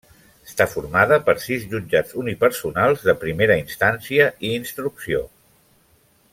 Està formada per sis jutjats unipersonals de Primera Instància i Instrucció.